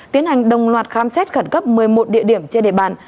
tiến hành đồng loạt khám xét khẩn cấp một mươi một địa điểm trên địa bàn